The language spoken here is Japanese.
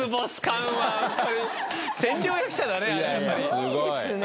すごいですね。